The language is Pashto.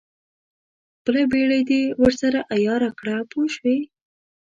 خپله بېړۍ دې ورسره عیاره کړه پوه شوې!.